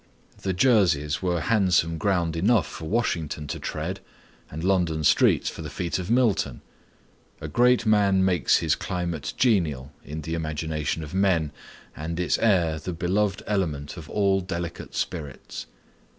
The Jerseys were handsome ground enough for Washington to tread, and London streets for the feet of Milton. A great man makes his climate genial in the imagination of men, and its air the beloved element of all delicate spirits.